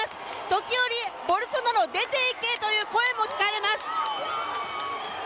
時折、ボルソナロ出て行けという声も聞かれます。